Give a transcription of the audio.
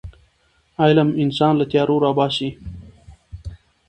علم انسان له تیارو راباسي.